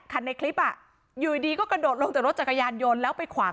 ในคลิปอ่ะอยู่ดีก็กระโดดลงจากรถจักรยานยนต์แล้วไปขวาง